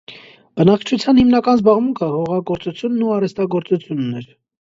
Բնակչության հիմնական զբաղմունքը հողագործությունն ու արհեստագործությունն էր։